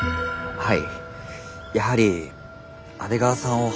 はい。